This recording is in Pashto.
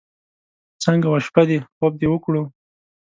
څنګه وه شپه دې؟ خوب دې وکړو.